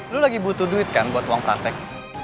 lu lagi butuh duit kan buat uang praktek